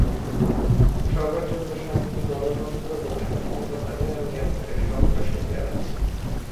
সবার জন্য শান্তি, গণতন্ত্র এবং স্বাধীনতার নামে আমি আপনাদের সম্ভাষণ জানাচ্ছি।